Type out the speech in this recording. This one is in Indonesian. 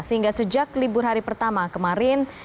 sehingga sejak libur hari pertama kemarin